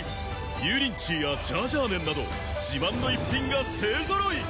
油淋鶏やジャージャー麺など自慢の逸品が勢揃い！